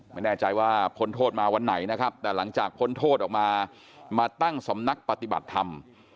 ไม่แน่ใจว่าพ้นโทษมาวันไหนนะครับแต่หลังจากพ้นโทษออกมามาตั้งสำนักปฏิบัติธรรม